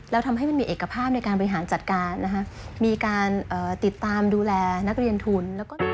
แล้วทำให้มันมีเอกภาพในการบริหารจัดการนะคะมีการติดตามดูแลนักเรียนทุน